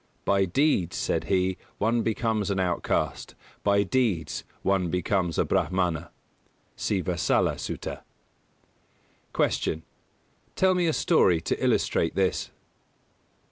"By deeds," said He, "one becomes an outcast, by deeds one becomes a Brāhmana" (See Vassala Sutta). 227. Q. _Tell me a story to illustrate this?